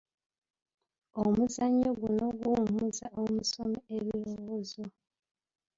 Omuzannyo guno guwummuza omusomi ebirowoozo.